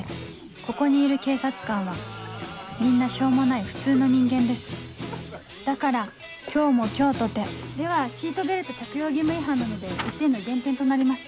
ここにいる警察官はみんなしょうもない普通の人間ですだから今日も今日とてではシートベルト着用義務違反なので１点の減点となります。